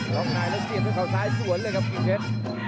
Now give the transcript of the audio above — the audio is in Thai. ล็อตไนท์แล้วเสียถึงข่าวซ้ายส่วนเลยครับเผท